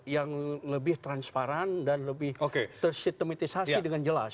yang lebih transparan dan lebih tersitematisasi dengan jelas